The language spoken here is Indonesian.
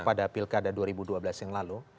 pada pilkada dua ribu dua belas yang lalu